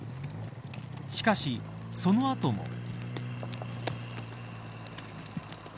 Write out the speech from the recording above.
しかし、そのあとも。